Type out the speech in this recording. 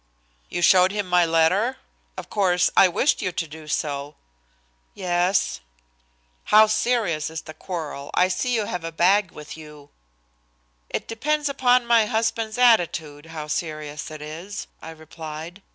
"You showed him my letter? Of course, I wished you to do so." "Yes." "How serious is the quarrel? I see you have a bag with you." "It depends upon my husband's attitude how serious it is," I replied.